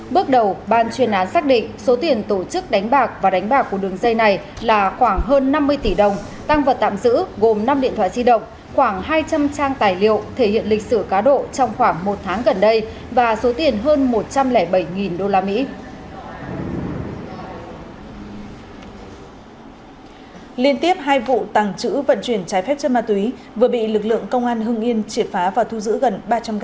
bước đầu ban chuyên án xác định số tiền tổ chức đánh bạc và đánh bạc của đường dây này là khoảng hơn năm mươi tỷ đồng tăng vật tạm giữ gồm năm điện thoại di động khoảng hai trăm linh trang tài liệu thể hiện lịch sử cá độ trong khoảng một năm